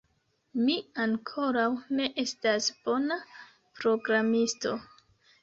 Mi ankoraŭ ne estas bona programisto